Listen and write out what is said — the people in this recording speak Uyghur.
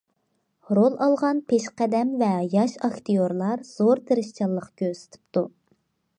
رول ئالغان پېشقەدەم ۋە ياش ئاكتىيورلار زور تىرىشچانلىق كۆرسىتىپتۇ.